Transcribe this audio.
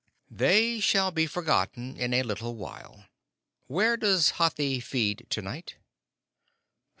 "They shall be forgotten in a little while. Where does Hathi feed to night?"